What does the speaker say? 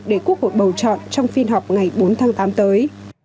để quốc hội bầu chọn trong phiên họp ngày bốn tháng tám tới